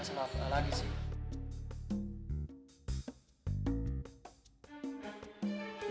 ada masalah apa lagi sih